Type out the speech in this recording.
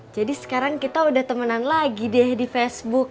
sekarang kita udah temenan lagi deh di facebook